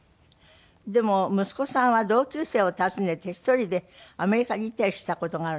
でも息子さんは同級生を訪ねて１人でアメリカに行ったりした事があるんですって？